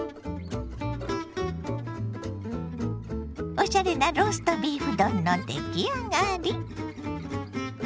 おしゃれなローストビーフ丼の出来上がり！